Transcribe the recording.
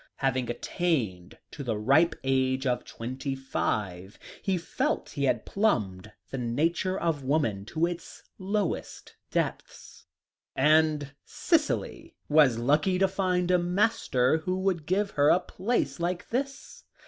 Having attained to the ripe age of twenty five, he felt he had plumbed the nature of woman to its lowest depths, "and Cicely was lucky to find a master who could give her a place like this."